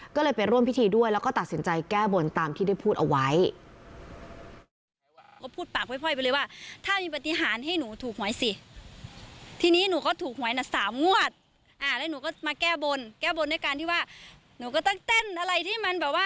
ก็เลยไปร่วมพิธีด้วยแล้วก็ตัดสินใจแก้บนตามที่ได้พูดเอาไว้